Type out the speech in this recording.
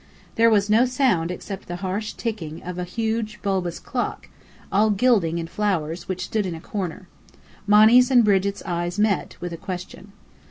There was no sound except the harsh ticking of a huge, bulbous clock, all gilding and flowers, which stood in a corner. Monny's and Brigit's eyes met, with a question.